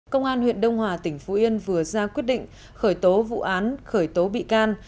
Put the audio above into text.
công an huyện đông hòa tỉnh phú yên vừa ra quyết định khởi tố vụ án khởi tố bị can